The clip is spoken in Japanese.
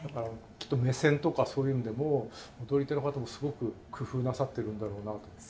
ちょっと目線とかそういうんでも踊り手の方もすごく工夫なさってるんだろうなと。